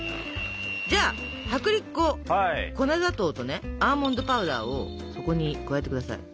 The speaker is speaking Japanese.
じゃあ薄力粉粉砂糖とねアーモンドパウダーをそこに加えて下さい。